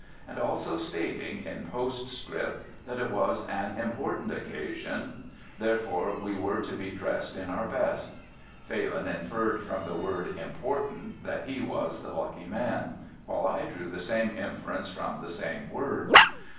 and also stating, in post script, that it was an important occasion, therefore we were to be dressed in our best. Phalin inferred from the word 'important' that he was the lucky man, while I drew the same inference from the same word.